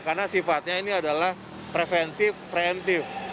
karena sifatnya ini adalah preventif preventif